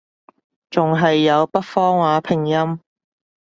仲係有北方話拼音